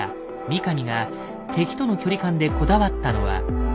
三上が敵との距離感でこだわったのは。